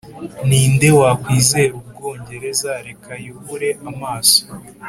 ninde wakwizera ubwongereza, reka yubure amaso